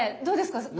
どうですか？